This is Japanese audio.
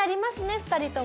２人とも。